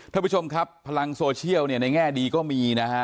ท่านผู้ชมครับพลังโซเชียลเนี่ยในแง่ดีก็มีนะฮะ